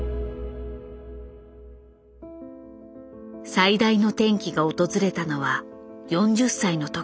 最大の転機が訪れたのは４０歳の時。